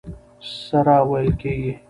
سره وېل کېږي.